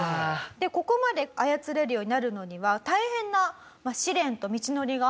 ここまで操れるようになるのには大変な試練と道のりがあったんですよね？